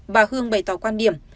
bà hương bày tỏ quan điểm